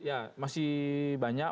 ya masih banyak